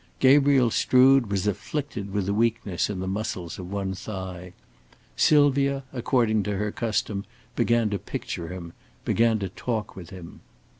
Gabriel Strood was afflicted with a weakness in the muscles of one thigh. Sylvia, according to her custom, began to picture him, began to talk with him.